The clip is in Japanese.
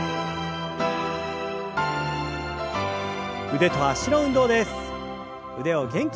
腕と脚の運動です。